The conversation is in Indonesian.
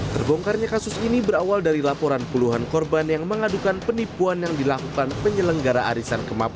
terbongkarnya kasus ini berawal dari laporan puluhan korban yang mengadukan penipuan yang dilakukan penyelenggara arisan kemapan